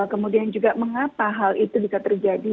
kemudian juga mengapa hal itu bisa terjadi